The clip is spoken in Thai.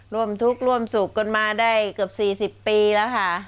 ร่วมทุกข์ร่วมสุขกันมาได้เกือบ๔๐ปีแล้วค่ะ